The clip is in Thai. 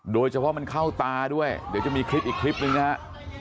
โดยเฉพาะมันเข้าตาด้วยเดี๋ยวจะมีคลิปอีกคลิปหนึ่งนะฮะ